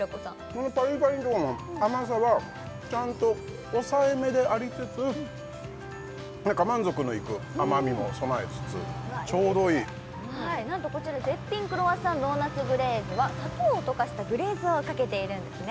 このパリパリんとこの甘さはちゃんと抑えめでありつつなんか満足のいく甘みも備えつつちょうどいいなんとこちら絶品クロワッサンドーナツグレーズは砂糖を溶かしたグレーズをかけているんですね